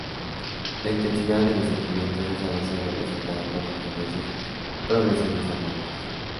La intensidad de los sentimientos es a veces representada por ingeniosas progresiones armónicas.